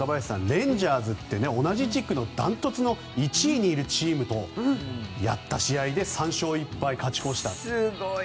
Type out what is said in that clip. レンジャーズって同じ地区の断トツの１位にいるチームとやった試合で３勝１敗で勝ち越したと。